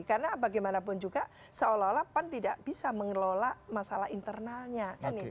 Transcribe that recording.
karena bagaimanapun juga seolah olah pan tidak bisa mengelola masalah internalnya